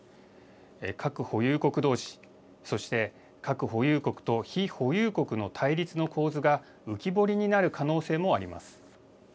核保有国どうし、そして核保有国と非保有国の対立の構図が浮き彫りになる可能性もあります。